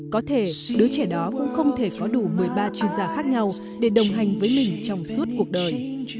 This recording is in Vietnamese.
có thể đứa trẻ đó cũng không thể có đủ một mươi ba chuyên gia khác nhau để đồng hành với mình trong suốt cuộc đời